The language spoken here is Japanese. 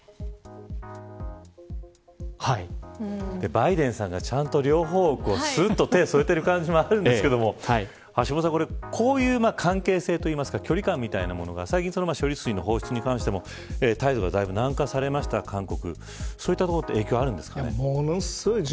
バイデンさんがちゃんと両方をすーっと手を添えている感じもあるんですけど橋下さん、こういう関係性というか距離感みたいなものが最近、処理水の放出に関しても態度がだいぶ軟化されました韓国。